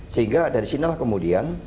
sehingga dari sinilah kemudian